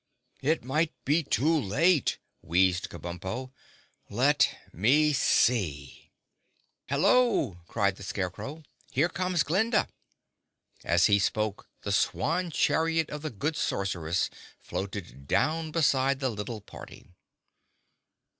"It might be too late," wheezed Kabumpo. "Let—me—see!" [Illustration: (unlabelled)] "Hello!" cried the Scarecrow. "Here comes Glinda." As he spoke the swan chariot of the good Sorceress floated down beside the little party.